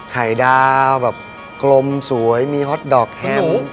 ไข่ดาวแบบกลมสวยมีฮอตดอกแฮม